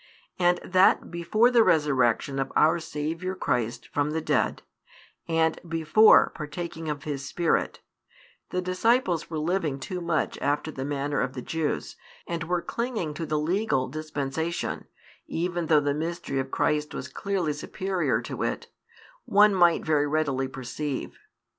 And that before the Resurrection of our Saviour Christ from the dead, and before partaking of His Spirit, the disciples were living too much after the manner of the Jews, and were clinging to the legal dispensation, even though the mystery of Christ was clearly superior to it, one might very readily perceive.